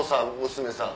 娘さん？